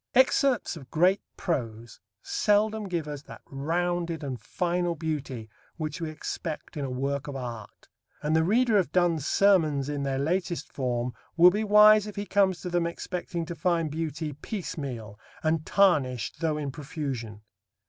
Excerpts of great prose seldom give us that rounded and final beauty which we expect in a work of art; and the reader of Donne's Sermons in their latest form will be wise if he comes to them expecting to find beauty piecemeal and tarnished though in profusion.